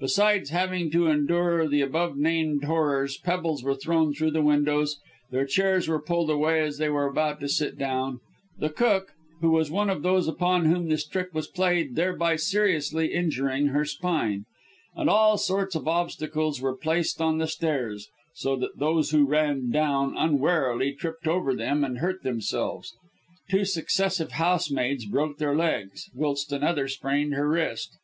Besides having to endure the above named horrors, pebbles were thrown through the windows, their chairs were pulled away as they were about to sit down (the cook, who was one of those upon whom this trick was played, thereby seriously injuring her spine), and all sorts of obstacles were placed on the stairs, so that those who ran down unwarily tripped over them and hurt themselves (two successive housemaids broke their legs, whilst another sprained her wrist).